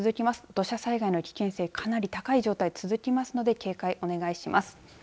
土砂災害の危険性かなり高い状態続きますので警戒お願いします。